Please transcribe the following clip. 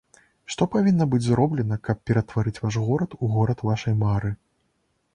Што павінна быць зроблена, каб ператварыць ваш горад у горад вашай мары?